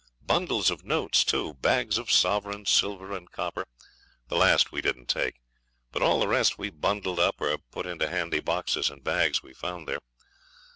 Bundles of notes, too; bags of sovereigns, silver, and copper. The last we didn't take. But all the rest we bundled up or put into handy boxes and bags we found there.